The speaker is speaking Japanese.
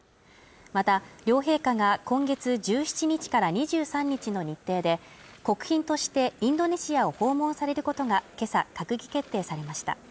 また、両陛下が今月１７日から２３日の日程で国賓としてインドネシアを訪問されることが今朝、閣議決定されました。